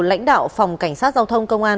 lãnh đạo phòng cảnh sát giao thông công an